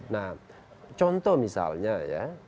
nah contoh misalnya ya